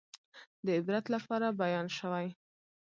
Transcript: د عبرت لپاره بیان شوي.